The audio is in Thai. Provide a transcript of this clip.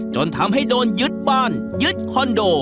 จนทำให้โดนยึดบ้านยึดคอนโด